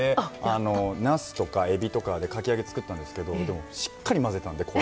なすとかえびとかでかき揚げ作ったんですけどでもしっかり混ぜたんで衣。